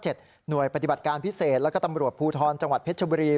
หน่วยปฏิบัติการพิเศษแล้วก็ตำรวจภูทรจังหวัดเพชรบุรี